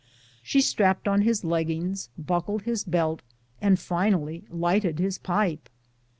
She strapped on his leggings, buckled his belt, and finally lighted his pipe.